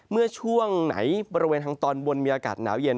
เมื่อช่วงไหนบริเวณทางตอนบนมีอากาศหนาวเย็น